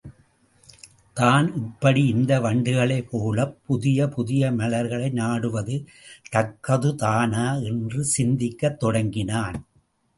தான் இப்படி இந்த வண்டுகளைப் போலப் புதிய புதிய மலர்களை நாடுவது தக்கதுதானா என்று சிந்திக்கத் தொடங்கினான்.